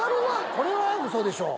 これはウソでしょう。